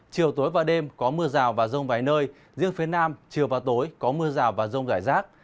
chiều tối và đêm có mưa rào và rông vài nơi riêng phía nam chiều và tối có mưa rào và rông rải rác